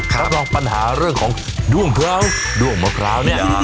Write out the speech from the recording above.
รับรองปัญหาเรื่องของด้วงพร้าวด้วงมะพร้าวเนี่ย